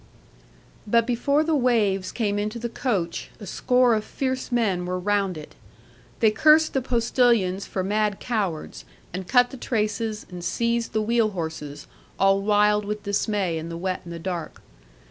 'But before the waves came into the coach, a score of fierce men were round it. They cursed the postilions for mad cowards, and cut the traces, and seized the wheel horses, all wild with dismay in the wet and the dark.